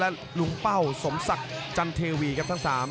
และลุงเป้าสมศักดิ์จันเทวีครับทั้ง๓